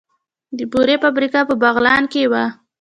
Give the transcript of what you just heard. د بورې فابریکه په بغلان کې وه